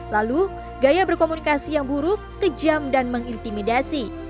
lalu gaya berkomunikasi yang buruk kejam dan mengintimidasi